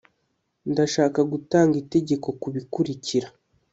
] ndashaka gutanga itegeko kubikurikira.